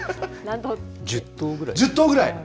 １０頭ぐらい。